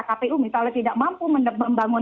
kpu misalnya tidak mampu membangun